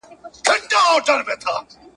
که ځوانان شعوري سي هېواد به له بحرانه ووځي.